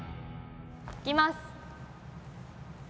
いきます。